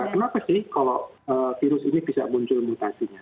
kenapa sih kalau virus ini bisa muncul mutasinya